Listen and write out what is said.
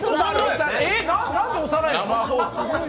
なんで押さないの。